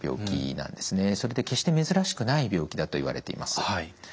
それで決して珍しくない病気だといわれています。